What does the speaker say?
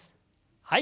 はい。